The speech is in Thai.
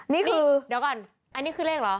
นี่คือเดี๋ยวก่อนอันนี้คือเลขเหรอ